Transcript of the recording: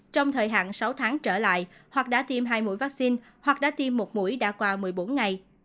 trong thời hạn sáu tháng trở lại hoặc đã tiêm hai mũi vaccine hoặc đã tiêm một mũi đã qua một mươi bốn ngày